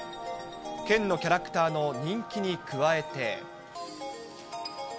県のキャラクターの人気に加えて。